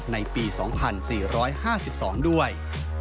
ในปี๒๔๕๒ด้วย